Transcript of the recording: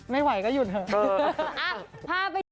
ไม่ไหวก็หยุดเถอะ